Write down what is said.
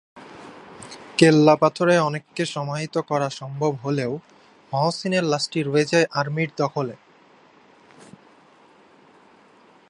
কেল্লাপাথরে অনেককে সমাহিত করা সম্ভব হলেও মহসিনের লাশটি রয়ে যায় আর্মির দখলে।